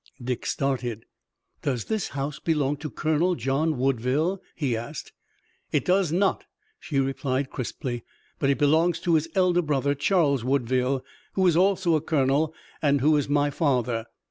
Dick started. "Does this house belong to Colonel John Woodville?" he asked. "It does not," she replied crisply, "but it belongs to his elder brother, Charles Woodville, who is also a colonel, and who is my father.